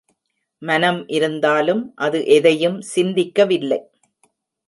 மனம் இருந்தாலும் அது எதையும் சிந்திக்கவில்லை.